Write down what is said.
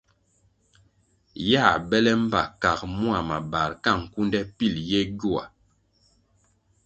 Yā bele mbpa kag mua mabar ka nkunde pil ye gyoa.